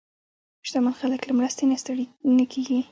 شتمن خلک له مرستې نه ستړي نه کېږي.